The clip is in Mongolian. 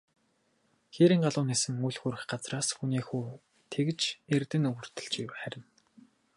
Хээрийн галуу нисэн үл хүрэх газраас, хүний хүү тэгж эрдэнэ өвөртөлж харина.